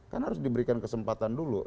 kan harus diberikan kesempatan dulu